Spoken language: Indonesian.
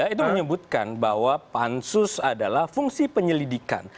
itu menyebutkan bahwa pansus adalah fungsi penyelidikan